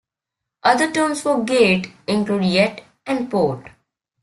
Other terms for gate include yett and port.